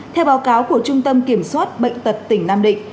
theo báo cáo của trung tâm kiểm soát bệnh tật tỉnh nam định